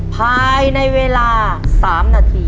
ภายในเวลา๓นาที